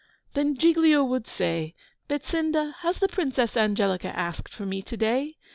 Then Giglio would say, "Betsinda, has the Princess Angelica asked for me to day?"